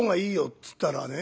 っつったらね